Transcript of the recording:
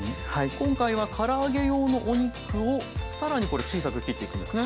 今回はから揚げ用のお肉をさらにこれ小さく切っていくんですね。